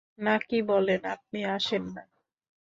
নাকি বলেন, আপনি আসেন না?